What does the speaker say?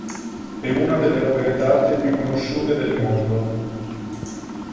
È una delle opere d'arte più conosciute del mondo.